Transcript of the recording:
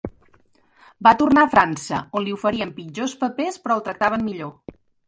Va tornar a França, on li oferien pitjors papers però el tractaven millor.